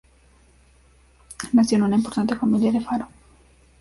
Nació en una importante familia de Faro.